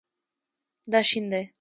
دا شین دی